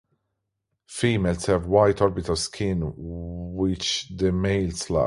Females have white orbital skin, which the males lack.